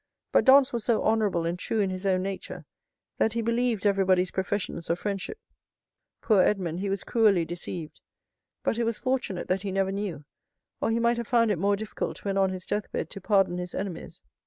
But Dantès was so honorable and true in his own nature, that he believed everybody's professions of friendship. Poor Edmond, he was cruelly deceived; but it was fortunate that he never knew, or he might have found it more difficult, when on his deathbed, to pardon his enemies.